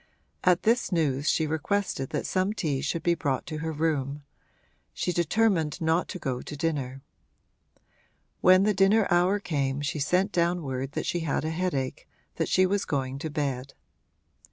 At this news she requested that some tea should be brought to her room she determined not to go to dinner. When the dinner hour came she sent down word that she had a headache, that she was going to bed.